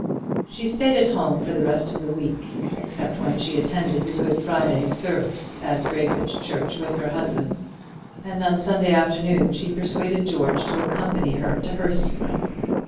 She stayed at home for the rest of the week, except when she attended the Good Friday's services at Graybridge church with her husband; and on Sunday afternoon she persuaded George to accompany her to Hurstonleigh.